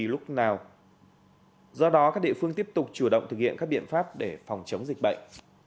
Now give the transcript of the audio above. do đó các địa phương tiếp tục chủ động thực hiện các biện pháp để phòng chống dịch bệnh